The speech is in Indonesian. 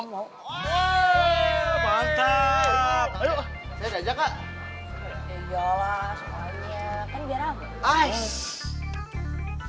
ayo saya ajak ya lah semuanya